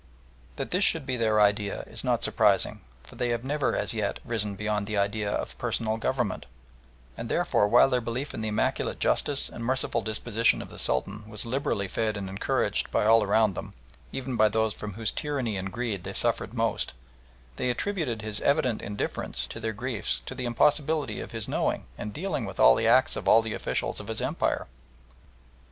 That this should be their idea is not surprising, for they have never as yet risen beyond the idea of personal government, and therefore while their belief in the immaculate justice and merciful disposition of the Sultan was liberally fed and encouraged by all around them, even by those from whose tyranny and greed they suffered most, they attributed his evident indifference to their griefs to the impossibility of his knowing and dealing with all the acts of all the officials of his Empire.